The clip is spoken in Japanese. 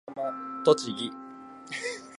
栃木